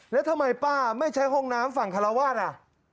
แล้วทำไมป้าไม่ใช้ห้องน้ำฝั่งคาราวาสอ่ะ